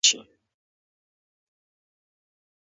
پاک رب دې زموږ مل شي.